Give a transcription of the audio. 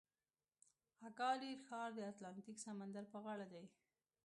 اګادیر ښار د اتلانتیک سمندر په غاړه دی.